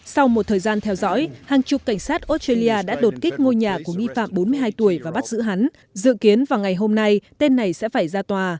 sau một thời gian theo dõi hàng chục cảnh sát australia đã đột kích ngôi nhà của nghi phạm bốn mươi hai tuổi và bắt giữ hắn dự kiến vào ngày hôm nay tên này sẽ phải ra tòa